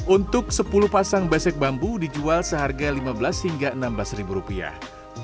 untuk sepuluh pasang besek bambu dijual seharga lima belas hingga enam belas ribu rupiah